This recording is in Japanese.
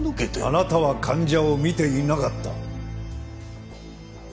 あなたは患者を見ていなかった！